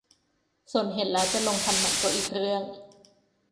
ส่วนเห็นแล้วจะลงทันไหมก็อีกเรื่อง